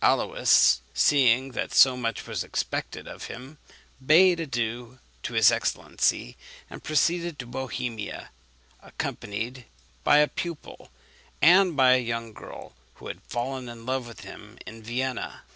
Aluys, seeing that so much was expected of him, bade adieu to his excellency, and proceeded to Bohemia accompanied by a pupil, and by a young girl who had fallen in love with him in Vienna.